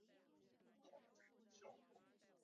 部分任务需要强制使用上述模式以击落目标。